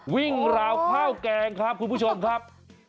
ราวข้าวแกงครับคุณผู้ชมครับ